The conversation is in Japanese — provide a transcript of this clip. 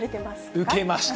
受けました。